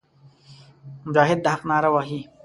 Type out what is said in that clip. مجاهد د حق ناره وهي.